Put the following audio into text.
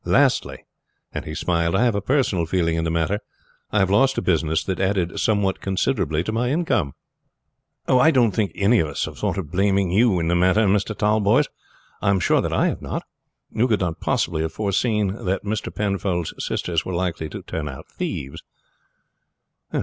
Lastly," and he smiled, "I have a personal feeling in the matter. I have lost a business that added somewhat considerably to my income." "I don't think any of us have thought of blaming you in the matter, Mr. Tallboys. I am sure that I have not. You could not possibly have foreseen that Mr. Penfold's sisters were likely to turn out thieves."